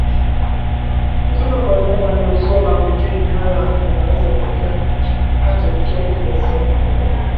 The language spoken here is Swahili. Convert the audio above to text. kutoka kwa mnyama anayeugua Maambukizi hayo yanaweza kutokea hata ikiwa ng'ombe asiye mgonjwa